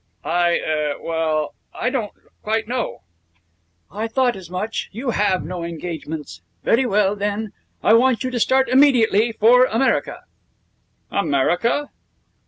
'I er well, I don't quite know.' 'I thought as much. You have no engagements. Very well, then, I want you to start immediately for America.' 'America!'